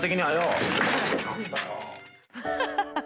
ハハハハ！